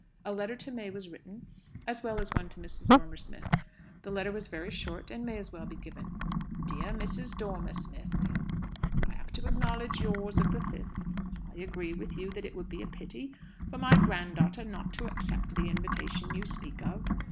A letter to May was written, as well as one to Mrs. Dormer Smith. This letter was very short, and may as well be given. "DEAR MRS. DORMER SMITH, "I have to acknowledge yours of the 5th. I agree with you that it would be a pity for my grand daughter not to accept the invitation you speak of.